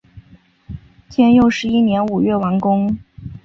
天佑十一年五月完工。